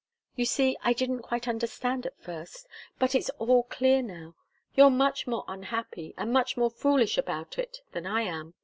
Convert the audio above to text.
You see, I didn't quite understand at first, but it's all clear now. You're much more unhappy and much more foolish about it than I am.